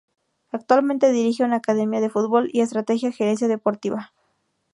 Actualmente dirige una academia de fútbol y estudia gerencia deportiva.